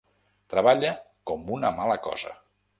Treballa com una mala cosa.